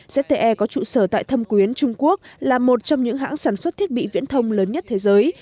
zte có trụ sở tại thâm quyến trung quốc là một trong những hãng sản xuất thiết bị viễn thông lớn nhất thế giới